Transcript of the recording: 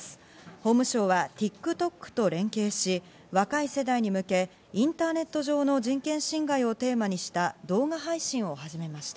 法務省はＴｉｋＴｏｋと連携し、若い世代に向け、インターネット上の人権侵害をテーマにした動画配信を始めました。